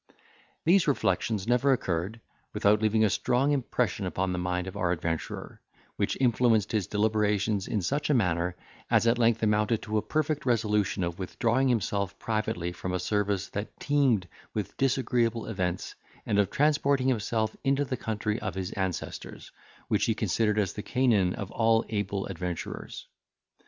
These reflections never occurred, without leaving a strong impression upon the mind of our adventurer, which influenced his deliberations in such a manner, as at length amounted to a perfect resolution of withdrawing himself privately from a service that teemed with disagreeable events, and of transporting himself into the country of his ancestors, which he considered as the Canaan of all able adventurers.